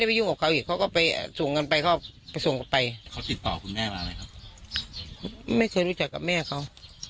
แม่แบบเนี่ยเข้าชายแต่ก็พี่แรอที่ผมแล้ว